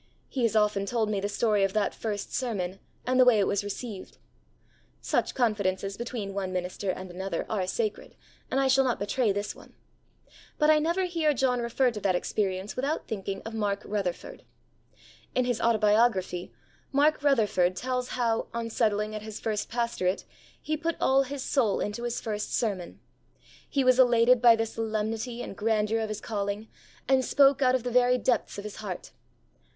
He has often told me the story of that first sermon and the way it was received. Such confidences between one minister and another are sacred, and I shall not betray this one. But I never hear John refer to that experience without thinking of Mark Rutherford. In his Autobiography, Mark Rutherford tells how, on settling at his first pastorate, he put all his soul into his first sermon. He was elated by the solemnity and grandeur of his calling, and spoke out of the very depths of his heart.